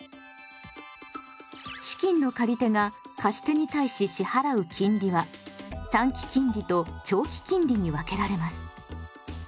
資金の借り手が貸し手に対し支払う金利は短期金利と長期金利に分けられます。